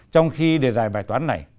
trong khi đề giải bài toán này